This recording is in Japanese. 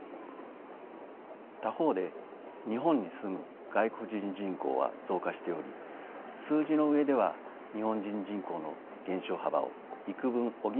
他方で日本に住む外国人人口は増加しており数字の上では日本人人口の減少幅を幾分補う形で推移しています。